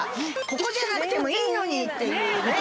ここじゃなくてもいいのにっていうね